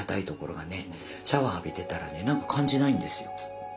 シャワー浴びてたらね何か感じないんですよ。